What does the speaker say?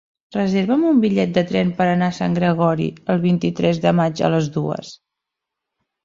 Reserva'm un bitllet de tren per anar a Sant Gregori el vint-i-tres de maig a les dues.